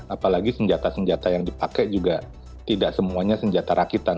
apalagi senjata senjata yang dipakai juga tidak semuanya senjata rakitan